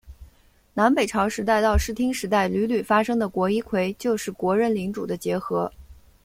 南北朝时代到室町时代屡屡发生的国一揆就是国人领主的结合。